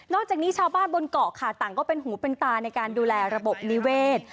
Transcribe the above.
จากนี้ชาวบ้านบนเกาะค่ะต่างก็เป็นหูเป็นตาในการดูแลระบบนิเวศ